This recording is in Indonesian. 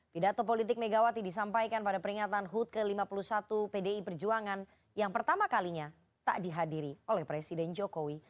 pidato politik megawati disampaikan pada peringatan hud ke lima puluh satu pdi perjuangan yang pertama kalinya tak dihadiri oleh presiden jokowi